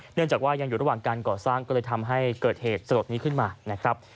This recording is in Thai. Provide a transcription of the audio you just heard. เนื่องจากว่ายังอยู่ระหว่างการก่อสร้างก็เลยทำให้เกิดเหตุสลดนี้ขึ้นมานะครับ